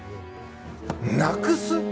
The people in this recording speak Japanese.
なくす？